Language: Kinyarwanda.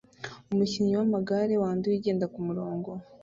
Umukinnyi wamagare wanduye ugenda kumurongo